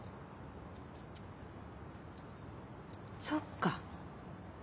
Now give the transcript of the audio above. そっか。